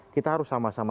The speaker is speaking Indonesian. kita harus sama sama